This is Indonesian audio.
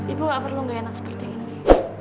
ibu nggak perlu nggak enak seperti ini